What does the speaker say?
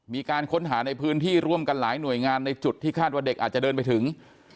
มีการค้นหาในพื้นที่ร่วมกันหลายหน่วยงานในจุดที่คาดว่าเด็กอาจจะเดินไปถึง